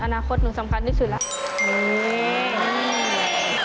อนาคตหนูสำคัญที่สุดแล้ว